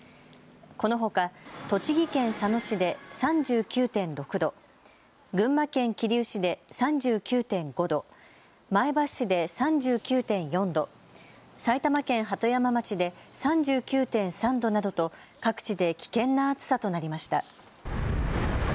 このほか栃木県佐野市で３９．６度、群馬県桐生市で３９．５度、前橋市で３９．４度、埼玉県鳩山町で３９．３度などと各地で危険な暑さとなりました。